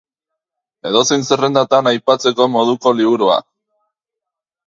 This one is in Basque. Edozein zerrendatan aipatzeko moduko liburua.